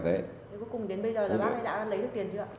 thế cuối cùng đến bây giờ là bác thấy đã lấy được tiền chưa ạ